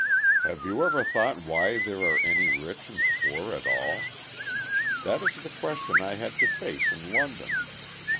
"Have you ever thought why there are any rich and poor at all? That is the question I had to face in London.